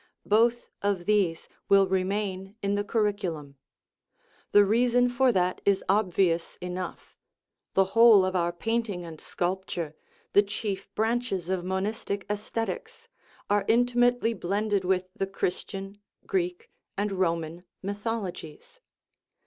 Both of these will remain in the curriculum. The reason for that is ob vious enough ; the whole of our painting and sculpt ure, the chief branches of monistic aesthetics, are inti mately blended with the Christian, Greek, and Roman mythologies.